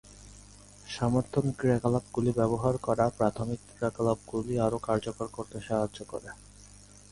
সমর্থন ক্রিয়াকলাপগুলি ব্যবহার করা প্রাথমিক ক্রিয়াকলাপগুলি আরও কার্যকর করতে সহায়তা করে।